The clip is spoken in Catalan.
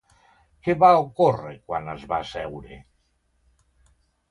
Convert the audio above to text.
Què va ocórrer quan es va asseure?